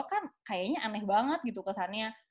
kan kayaknya aneh banget gitu kesannya